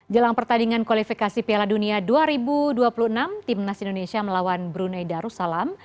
jelang pertandingan kualifikasi piala dunia dua ribu dua puluh enam timnas indonesia melawan brunei darussalam